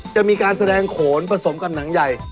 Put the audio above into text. จะมีการแสดงโขนผสมกับหนังใหญ่